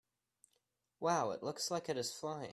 Wow! It looks like it is flying!